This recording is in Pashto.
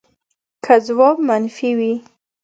که ځواب منفي وي